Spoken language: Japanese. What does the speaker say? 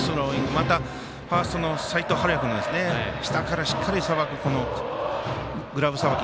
また、ファーストの齋藤敏哉君の下から、しっかりさばくグラブさばき。